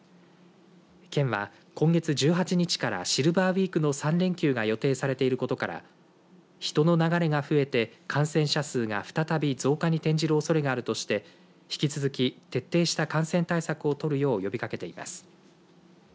県は、今月１８日からシルバーウィークの３連休が予定されていることから人の流れが増えて感染者数が再び増加に転じるおそれがあるとして引き続き徹底した感染対策を取るよう呼びかけています。